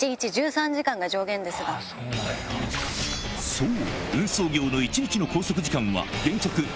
そう！